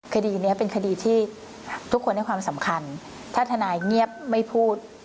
คดีนี้เป็นคดีที่ทุกคนให้ความสำคัญถ้าทนายเงียบไม่พูด